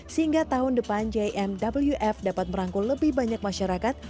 sehingga tahun depan jmwf dapat merangkul lebih banyak masyarakat